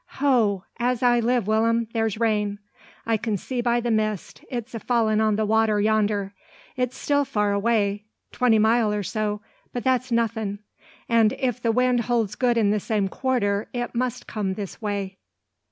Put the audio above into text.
Ho! As I live, Will'm, there's rain. I can see by the mist it's a fallin' on the water yonder. It's still far away, twenty mile or so, but that's nothing; an' if the wind holds good in the same quarter, it must come this way."